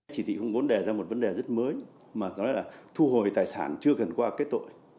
chỉ thị bốn đề ra một vấn đề rất mới thu hồi tài sản chưa gần qua kết tội